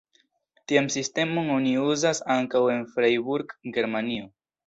Tian sistemon oni uzas ankaŭ en Freiburg, Germanio.